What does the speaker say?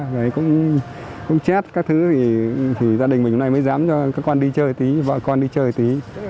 đấy cũng chết các thứ thì gia đình mình hôm nay mới dám cho các con đi chơi tí vợ con đi chơi tí